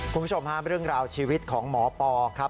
คุณผู้ชมฮะเรื่องราวชีวิตของหมอปอครับ